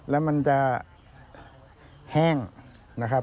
แล้วมันจะแห้งนะครับ